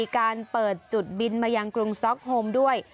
การเปิดจุดบินมายังกรุงซ็อกโฮมด้วย